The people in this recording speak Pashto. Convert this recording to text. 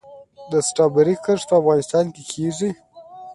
د سټرابیري کښت په افغانستان کې کیږي؟